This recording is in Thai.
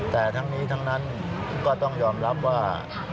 แต่ทั้งนี้ทั้งนั้นก็ต้องยอมรับว่า